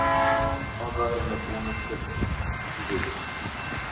Paga e nëpunëseslit civil.